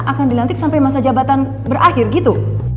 akan dilantik sampai masa jabatan berakhir gitu